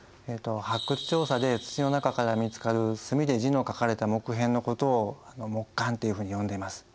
発掘調査で土の中から見つかる墨で字の書かれた木片のことを木簡っていうふうに呼んでます。